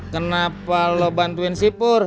kenapa lo bantuin sipur